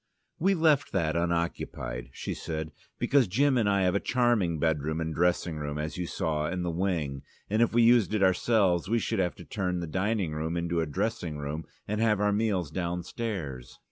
"We left that unoccupied," she said, "because Jim and I have a charming bedroom and dressing room, as you saw, in the wing, and if we used it ourselves we should have to turn the dining room into a dressing room and have our meals downstairs.